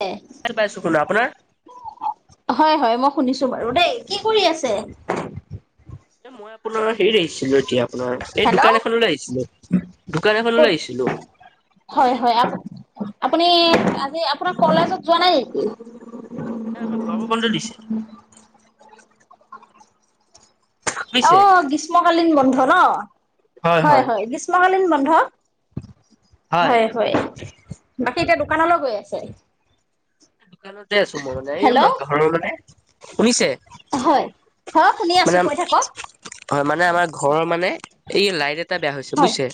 হয় [inaudible] পাইচো শুনা আপোনাৰ হয় হয় মই শুনিছো বাৰু দেই কি কৰি আছে এ মই আপোনাৰ হেৰি আহিছিলো এতিয়া আপোনাৰ এই হেল্ল' দোকান এখনলৈ আহিছিলো দোকান ক এখনলৈ আহিছিলো হয় হয় আপুনি আজি আপোনাৰ কলেজত যোৱা নাই নেকি ন আমাৰ গৰমৰ বন্ধ দিছেটো অ বুজিছে গ্ৰীষ্মকালীন বন্ধ ন হয় হয় গ্ৰী গ্ৰীষ্মকালীন বন্ধ হয় হয় বাকী এতিয়া দোকানলে গৈ আছে দোকানতে আছো মই মানে এই হেল্ল' আমাৰ ঘৰৰ মানে শুনিছে চব শুনি মানে আছো কৈ থাকক হয় মানে আমাৰ ঘৰৰ মানে এই লাইট এ এটা বেয়া হৈছে হয় বুজছে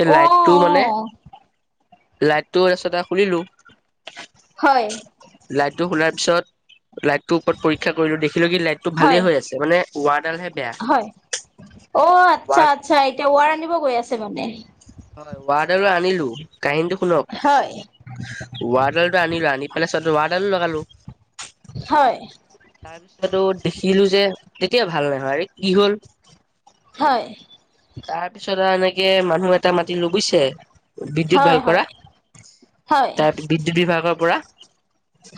এই অ অ লাইটটো মানে লাইট টো এশটা খুলিলো হয় লাইটটো খোলাৰ পিছত লাইটটোৰ ওপৰত পৰীক্ষা কৰিলো দেখিলো কি লাইটটো হয় ভালেই হৈ আছে মানে ৱাৰডালহে হয় বেয়া অ আচ্ছা ৱাৰ আচ্ছা এতিয়া ওৱাৰ আনিব গৈ আছে মানে হয় ৱাৰ্ডলো আনিলো কাহিনীটো হয় শুনক ৱাডালটো আনিলো আনি পেলাই ৱাডালো লগালো হয় তাৰ পিছতো দেখিলো যে তেতিয়া ভাল নহয় আৰে কি হল হয় তাৰ পিছত আৰু এনেকে মানুহ এটা মাতিলো বুজিছে বিদ্যুৎ হয় ভাল হয় কৰা হয় তাৰ বিদ্যুৎ বিভাগৰ পৰা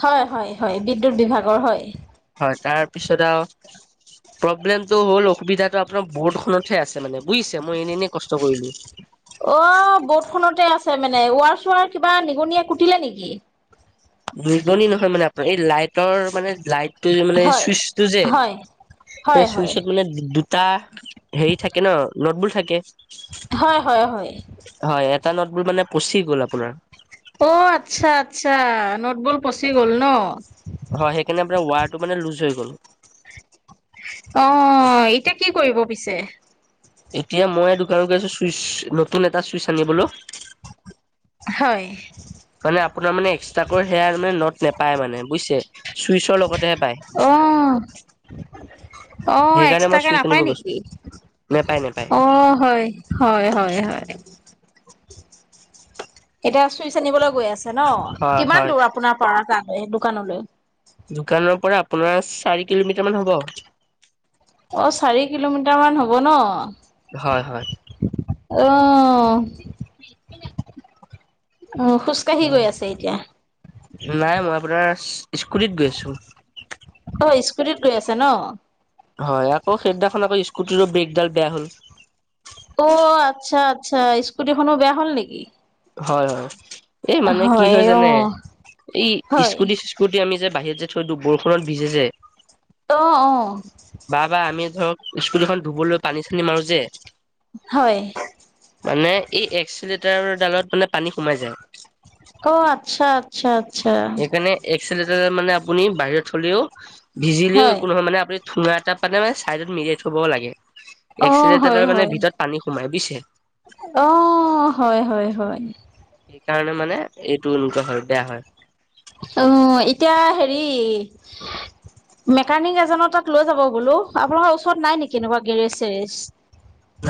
হয় হয় হয় বিদ্যুৎ বিভাগৰ হয় হয় তাৰপিছত আও প্ৰব্লেমটো হ'ল অসুবিধাটো আপোনাৰ বৰ্ডখনতহে আছে মানে বুজিছে মই এনে এনেই কষ্ট কৰিলো অ বৰ্টখনতে আছে মানে ৱাৰ চোৱাৰ কিবা নিগনিয়ে কুটিলে নেকি নিগনি নহয় মানে আপোনাৰ এই লাইটৰ মানে লাইট মানে হয় চুইচটো যে হয় হয় সেই হয় চুইচত মানে দু টা হেৰি থাকে নদবুল থাকে হয় হয় হয় হয় এটা নটবোল মানে পচি গ'ল আপোনাৰ অ আচ্ছা আচ্ছা নটবল পচি গ'ল ন হয় সেইকাৰণে আপোনাৰ ৱায়াৰটো মানে লুজ হৈ গ'ল অ এতিয়া কি কৰিব পিছে এতিয়া মই এটো কাম কৰি আছো চুইচ নতুন এটা চুইচ আনিবলৈ। হয়। মানে আপোনাৰ মানে এক্সট্ৰাকৈ সেয়াৰ মানে নট নোপায় মানে বুজিছে চুইচৰ লগতেহে পায়। অ অ', সেইকাৰণে মই এক্সট্ৰাকে চুইচ আনিব নাপায় গৈছো নেকি নেপায় নেপায় অ', হয়। হয় হয় হয়। এতিয়া চুইচ আনিবলৈ গৈ আছে ন হয় কিমান হয়। দূৰ আপোনাৰ পৰা তালৈ দোকানলৈ? দোকানৰ পৰা আপোনাৰ চাৰি কিলোমিটাৰ মান হ'ব। অঁ', চাৰি কিলোমিটাৰমান হ'ব ন। হয় হয়। আহ। [inaudible] অ', খোজকাঢ়ি হয় গৈ আছে এতিয়া? নাই মই আপোনাৰ স্কুটিত গৈ আছো। অ', স্কুটিত গৈ আছে ন? হয় আকৌ সেইদিনাখন আকৌ স্কুটিৰো ব্ৰেকডাল বেয়া হল। অ', আচ্ছা, আচ্ছা, স্কুটি খনো বেয়া হ'ল নেকি? হয় হয়, এই মানে কি হয় জানে এই হয় স্কুটি স্কুটি আমি যে বাহিৰত যে থৈ দিওঁ বৰষুত ভিজে যে অ', অ'। বা বা আমি ধৰক স্কুটি খন ধুবলৈ পানী চানী মাৰো যে। হয়। মানে এই এক্সলিটাৰ ডালত মানে পানী সোমাই যায়। অ', আচ্ছা আচ্ছা আচ্ছা। সেইকাৰণে এক্সলেটাৰদাল মানে আপুনি বাহিৰত হলেও ভিজিলেও হয় একো নহয় মানে আপুনি থোঙা এটা মানে মানে চাইডত মিৰিয়াই থব লাগে, অ হয় এক্সিলেটৰদালত মানে হয় ভিতৰত পানী সোমাই বুজিছে। অ', হয় হয় হয়। সেইকাৰণে মানে এইটো এনেকুৱা হয় বেয়া হয়। অ', এতিয়া হেৰি মেকানিক এজনৰ তাক লৈ যাব বোলো, আপোনালোকৰ ওচৰত নাই নেকি এনেকবা গেৰেজ চেৰেজ?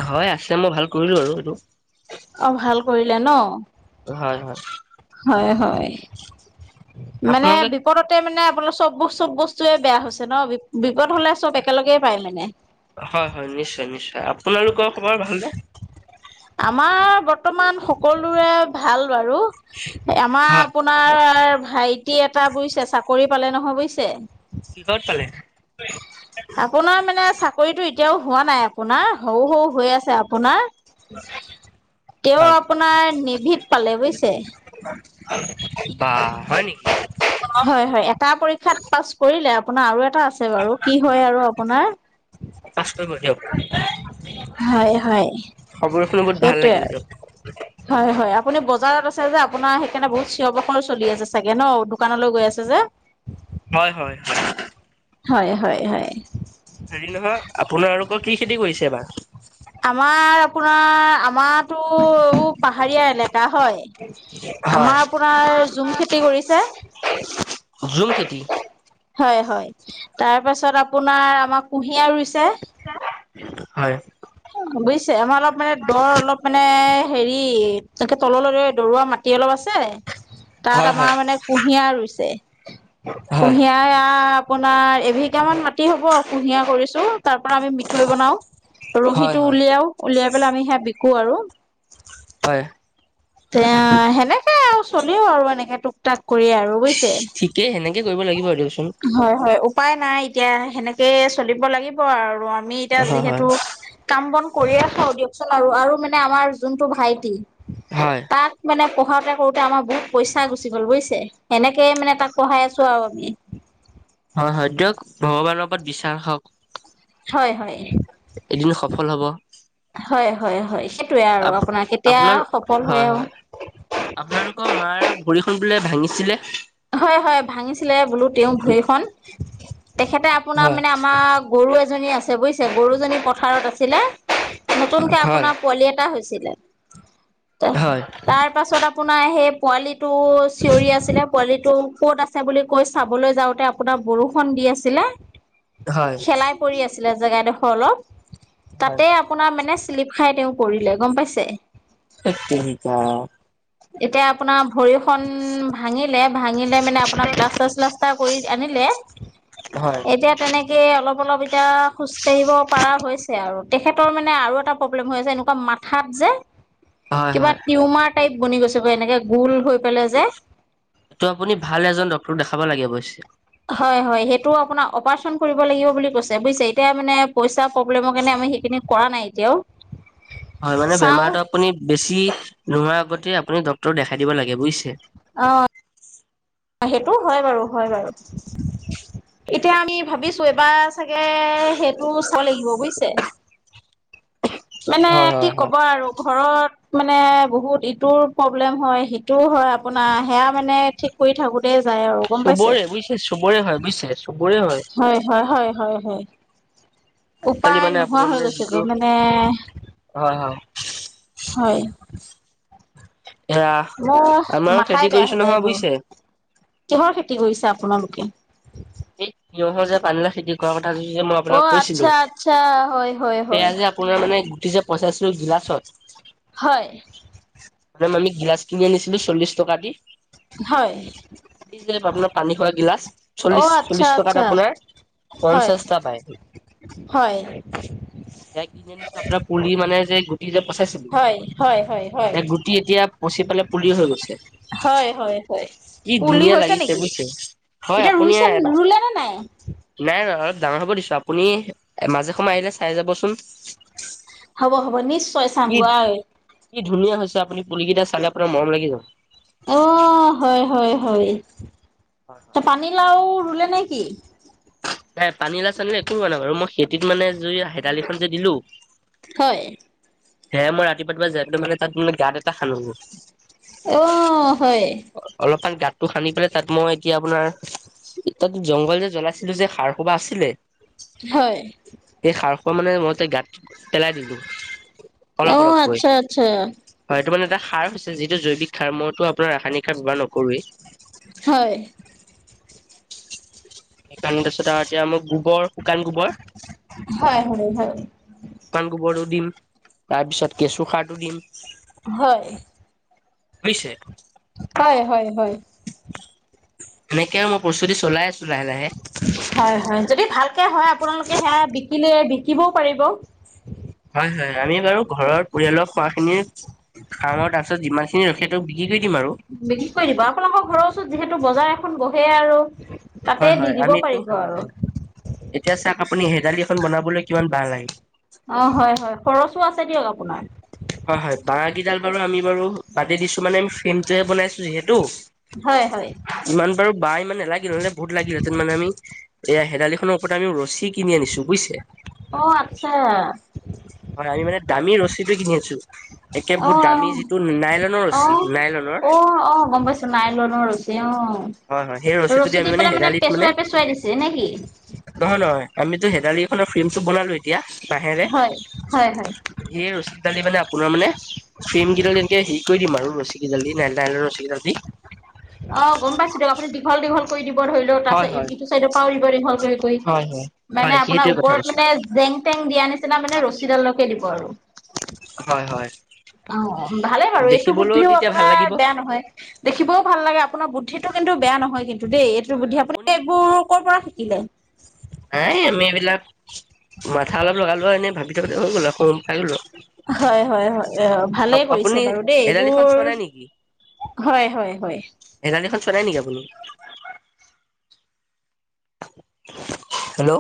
হয় আছে, মই ভাল কৰিলো আৰু সেইটো। অ', ভাল কৰিলে ন, হয় হয় হয় হয়। মানে আপোনালোকে বিপদত তে মানে আপোনালোকৰ চব চব বস্তুৱে বেয়া হৈছে ন, বিপদ হলে চব একেলগে পায় মানে। হয় হয় নিশ্চয় নিশ্চয়, আপোনালোকৰ খবৰ ভালনে? আমাৰ বৰ্তমান সকলোৰে ভাল বাৰু, আমাৰ হয় আপোনাৰ ভাইটি এটা বুজিছে চাকৰি পালে নহয় বুজিছে। কিহত পালে? আপোনাৰ মানে চাকৰিতটো এতিয়াও হোৱা নাই, আপোনাৰ সৰু সৰু হৈ আছে আপোনাৰ। [inaudible] তেওঁ হয় আপোনাৰ নেভিত পালে বুজিছে। বাহ', হয় নেকি? হয় হয়, এটা পৰীক্ষাত পাছ কৰিলে, আপোনাৰ আৰু এটা আছে বাৰু। কি হয় আৰু আপোনাৰ পাচ কৰিব দিয়ক। হয় হয়, খবৰ শুনি বহুত ভাল সেইটোৱে লাগিল দিয়ক আৰু। হয় হয়, আপুনি বজাৰত আছে যে আপোনাৰ সেইকাৰণে বহুত চিঞৰ বাখৰ চলি আছে চাগে ন, দোকানলৈ গৈ আছে যে। হয় হয়। হয় হয় হয়। হেৰি নহয় আপোনালোকৰ কি খেতি কৰিছে এইবাৰ? আমাৰ আপোনাৰ আমাতো পাহাৰীয়া এলেকা হয়। হয়, আমাৰ আপোনাৰ জুম খেতি কৰিছে। জুম খেতি। হয় হয়, তাৰ পাছত আপোনাৰ আমাৰ কুঁহিয়াৰ ৰুইছে। হয়। বুজিছে আমাৰ অলপ মানে দৰ অলপ মানে হেৰি এনেকে তললৈ দৰুৱা মাটি অলপ আছে। [unintelligible] তাত আমাৰ মানে কুঁহিয়াৰ ৰুইছে। হয় কুঁহিয়াৰ আপোনাৰ দুবিঘামান মাটি হ'ব কুঁহিয়াৰ কৰিছোঁ, তাৰ পৰা আমি মিঠৈ বনাওঁ। হয় ৰহীটো হয় উলিয়াও উলিয়াই পেলাই আমি সেয়া বিক্ৰো আৰু হয়। এ সেনেকে আৰু চলিও আৰু এনেকে টুক টাক কৰি আৰু বুইছে। ঠিকেই সেনেকে কৰিব লাগিব দিয়চোন। হয় হয় উপায় নাই এতিয়া সেনেকে চলিব লাগিব আৰু আমি এতিয়া হয় যিহেতু হয় কাম বন কৰি খাওঁ দিয়কচোন আৰু আৰু মানে আমাৰ যোনটো ভাইটি হয়। তাক মানে পঢ়াওঁতে কৰোতে আমাৰ বহুত পইচা গুচি গ'ল বুইছে। সেনেকে মানে তাক পঢ়াই আছো আৰু আমি। হয় হয় দিয়ক ভগৱানৰ ওপৰত বিশ্বাস ৰাখক। হয় হয়, এদিন সফল হব হয় হয় হয়। সেইটোৱে আৰু আপ আপোনাৰ কেতিয়া সফল হয় আও। আপোনালোকৰ মাৰ ভৰিখন বোলে ভাঙিছিলে? হয় হয় ভাঙিছিলে বোলো তেওঁ ভৰিখন। তেখেতে আপোনাৰ হয় মানে আমাৰ গৰু এজনী আছে বুইছে গৰুজনী পথাৰত আছিলে। নতুনকে হয় আপোনাৰ পোৱালি এটা হৈছিলে, হয় হয় তাৰ পাছত আপোনাৰ সেই পোৱালিটো চিঞৰি আছিলে পোৱালি তৌ ক'ত আছে বুলি কৈ চাবলৈ যাওঁতে আপোনাৰ বৰষুণ দি আছিলে। হয় খেলাই পৰি আছিলে জেগাডোখৰ অলপ, তাতে আপোনাৰ মানে শ্লিপ খাই তেওঁ পৰিলে গম পাইছে। থেৎত তেৰিকা। এতিয়া আপোনাৰ ভৰি খন ভাঙিলে ভাঙিলে মানে আপোনাৰ প্লাষ্টাৰ চ্লাচ প্লাষ্টাৰ কৰি আনিলে। হয়। এতিয়া তেনেকে অলপ অলপ এতিয়া খোজকাঢ়িব পাৰা হৈছে আৰু তেখেতৰ মানে আৰু এটা প্ৰব্লেম হৈ আছে এনেকুৱা মাথাত যে কিবা হয় টিউমাৰ টাইপ বনি গৈছে এনেকে গোল হৈ পেলাই যে এইটো আপুনি ভাল এজন ডাক্তৰ দেখাব লাগে অৱশ্যে। হয় হয় সেইটো আপোনাক অপাৰচন কৰিব লাগিব বুলি কৈছে বুইছে, এতিয়া মানে পইচা প্ৰব্লেম কাৰণে সেইখিন কৰা নাই এতিয়াও। হয় মানে চাওঁ বেমাৰতটো আপুনি বেছি নোহোৱাৰ আপত্তি আপুনি ডক্তৰক দেখাই দিব লাগে বুইছে। অৱ। সেইটোও হয় বাৰু হয় বাৰু। এতিয়া আমি ভাবিছো, এবাৰ চাগে সেইটো চাব লাগিব, বুজিছে? [unintelligible] মানে হয় কি হয় হয়। কবা আৰু ঘৰত [unintelligible] মানে বহুত ইটোৰ প্ৰব্লেম হয়, সিটোৰ হয় আপোনাৰ সেয়া মানে ঠিক কৰি থাকো [unintelligible] [unintelligible] যায় আৰু। চবৰে বুজিছে, চবৰে হয় বুজিছে, চবৰে হয়। [inaudible] হয়-হয়-হয়-হয়-হয় [inaudible] আজিকালি উপায় মানে নোহোৱা হৈ গৈছে গৈ মানে [unintelligible] হয়-হয় [unintelligible] হয়। [inaudible] এয়া মই আমাৰো খেতি মাথাই বেয়া কৰিছো হৈ যায় নহয় এইবোৰ। বুজিছে। [inaudible] কিহৰ খেতি কৰিছে আপোনালোকে? এই তিঁয়হৰ যে পানীলাউ খেতি কৰা কথা যে মই অ আপোনাক কৈছিলো আচ্ছা [inaudible] আচ্ছা হয় হয় সেয়া হয় যে আপোনাৰ মানে গুটি যে পচাইছিলো গিলাছত [unintelligible] হয়। [unintelligible] [unintelligible] মেম আমি গিলাচ কিনি আনিছিলো চল্লিশ টকা দি। হয় [inaudible] এই যে আপোনাৰ পানী খোৱা গিলাচ অ চল্লিশ আচ্ছা চল্লিশ টকাত আচ্ছা আপোনাৰ হয় পঞ্চাছটা পায়। [inaudible] হয় যসেয়া কিনি আনিছো আপোনাৰ পুলি মানে যে গুটি যে পচাইছিলো [unintelligible] হয় হয় হয় হয় এয়া [unintelligible] গুটি এতিয়া পচি পেলাই পুলি হৈ গৈছে। [unintelligible] হয়-হয়-হয়। কি পুলি ধুনীয়া হৈছে লাগিছে নেকি? বুজিছে। [unintelligible] হয় এতিয়া আপুনি ৰুইছে [unintelligible] এবাৰ ৰুলে নে নাই? নাই ৰুৱা, অলপ ডাঙৰ হ'ব দিছো আপুনি মাজে সময় আহিলে চাই যাব চোন। [unintelligible] হ'ব-হ'ব নিশ্চয় চাম গৈ [unintelligible] কি ধুনীয়া হৈছে আপুনি পুলিকেইটা চালে আপোনাৰ মৰম লাগি যাব। [unintelligible] অ, হয়-হয়-হয়। পানীলাও ৰুলে নে কি? [unintelligible] নাই পানীলাও-চানীলাও একো ৰুৱা নাই বাৰু মই খেতিত মানে জই [unintelligible] হেতালিখন যে দিলো [inaudible] হয়। সেয়াই মই ৰাতিপুৱা-ৰাতিপুৱা যায় পেলাই মানে তাত মানে গাত এটা খান্ধো গে [unintelligible] অঁ! হয়। [unintelligible] অলপমান গাতটো খান্ধি পেলাই তাত মই এতিয়া আপোনাৰ এ [unintelligible] তাত জংঘল যে জ্বলাইছিলো যে সাৰ সোপা আছিলে হয়। সেই সাৰ সোপা মানে মই গাত পেলাই দিলো, অ অলপ-অলপকৈ। আচ্ছা আচ্ছা [inaudible] হয় এইটো মানে এটা সাৰ হৈছে যিটো জৈৱিক সাৰ। মইতো আপোনাৰ ৰাসায়নিক সাৰ ব্যৱহাৰ নকৰোৱেই। [unintelligible] হয়। [inaudible] [inaudible] সেইকাৰণে তাৰপাছত আৰু এতিয়া মই গোবৰ শুকান গোবৰ [unintelligible] হয়-হয়-হয় [inaudible] শুকান গোবৰটো দিম, তাৰ পিছত কেঁচু সাৰটো দিম। [unintelligible] হয়। হৈছে [unintelligible] হয়-হয়-হয়। [inaudible] এনেকে আৰু মই প্ৰস্তুতি চলাই আছো লাহে-লাহে। [inaudible] হয়-হয়। যদি ভালকে হয় আপোনালোকে সেয়া বিকিলে বিকিবও পাৰিব। [unintelligible] হয়-হয়, আমি বাৰু ঘৰৰ পৰিয়ালৰ খোৱাখিনি খাম আৰু তাৰপিছত যিমানখিনি [unintelligible] [unintelligible] বাকীখিনি তেখেতক বিক্ৰী কৰি দিম আৰু। বিক্ৰী কৰি দিব। আপোনালোকৰ ঘৰৰ ওচৰত যিহেতু বজাৰ এখন বহে আৰু [unintelligible] হয় তাতে দি হয় আমি দিব এইটো পাৰিব হয় আৰু। হয় [inaudible] এতিয়া চাওক আপুনি, হেদালি এখন বনাবলৈ কিমান বাহ লাগে। অ হয়, হয় খৰচো আছে দিয়ক আপোনাৰ। হয়, হয় বাহ কিডাল বাৰু আমি বাৰু বাদে দিছো মানে ফিমটোহে বনাইছো যিহেতু, হয় হয় ইমান বাৰু বাহ ইমান নেলাগিল। বহুত লাগিল হেঁতেন মানে-আমি এয়া হেদালিখনৰ ওপৰত আমি ৰছী কিনি আনিছো বুজিছে। অ আচ্ছা! মানে, আমি মানে দামী ৰচিটো কিনি আনিছো। একে বহুত দামী অ যিটো নাইলনৰ ৰছী, নাইলনৰ নাইলন ৰছী অ, হয় হয় সেই ৰছীটো ৰছী আমি দি পেলাই মানে হেদালিত পেচুৱাই পেচুৱাই দিছে নেকি? নহয়, নহয় আমিতো হেদালিখনৰ ফ্ৰেমটো বনালো এতিয়া বাঁহেৰে। হয়, হয়, হয়। সেই ৰছী দালি মানে আপোনাৰ মানে ফ্ৰেম কিডাল এনেকে হেৰি কৰি দিম আৰু, ৰছীকেইডাল দি নাইলন ৰছী কেইডাল দি। অ গম পাইছো দিয়ক, আপুনি দীঘল দীঘল কৰি দিব ধৰি লও হয় হয় তাৰপিছত ইটো চাইডৰ পৰাও দিব দীঘল কৰি হয় হয় মানে, হয় আপোনাৰ সেইটোৱে কথা ওপৰত কৈছো মানে জেং-তেং দিয়া নিচিনা মানে ৰছীডালকে দিব আৰু। হয়, হয়! অ ভালে বাৰু, এইটো দেখিবলৈও বুদ্ধিও তেতিয়া ভাল আপোনাৰ লাগিব বেয়া নহয়। দেখিবও ভাল লাগে, আপোনাৰ বুদ্ধিটো কিন্তু বেয়া নহয় কিন্তু। দেই এইটো বুদ্ধি, আপুনি এইবোৰ ক'ৰ পৰা শিকিলে? নাই, আমি এইবিলাক মাথা অলপ লগালো আও এনে ভাবি থকাতে হৈ গ'ল আও। [unintelligible] পাই গলোঁ। হয়, হয়, হয়, অ! ভালে আপুনি কৰিছে বাৰু দেই! হেৰালিখন এইবোৰ চোৱা নাই নেকি হয়, হয়, হয়! সেই গাড়ীখন চলাই নেকি আপুনি? হেল্ল'